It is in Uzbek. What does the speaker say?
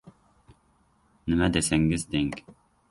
"Nima desangiz deng.